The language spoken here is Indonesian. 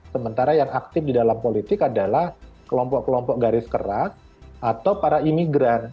sementara yang aktif di dalam politik adalah kelompok kelompok garis keras atau para imigran